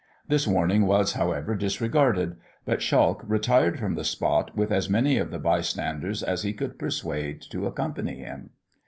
This warning was, however, disregarded; but Schalch retired from the spot with as many of the bystanders as he could persuade to accompany him.